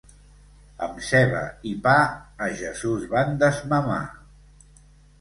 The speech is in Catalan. Amb ceba i pa, a Jesús van desmamar.